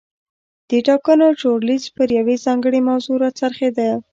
د ټاکنو چورلیز پر یوې ځانګړې موضوع را څرخېده.